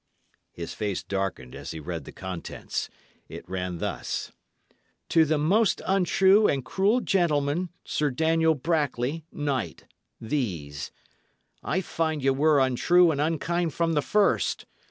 His face darkened as he read the contents. It ran thus: To the most untrue and cruel gentylman, Sir Daniel Brackley, Knyght, These: I fynde ye were untrue and unkynd fro the first.